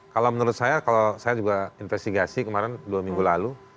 kalau menurut saya kalau saya juga investigasi kemarin dua minggu lalu